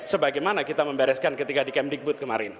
sebagaimana kita membereskan ketika di camp digbud